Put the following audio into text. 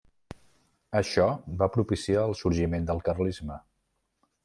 Això va propiciar el sorgiment del carlisme.